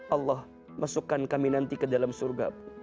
allah masukkan kami nanti ke dalam surgamu